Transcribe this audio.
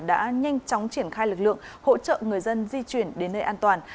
đã nhanh chóng triển khai lực lượng hỗ trợ người dân di chuyển đến nơi an toàn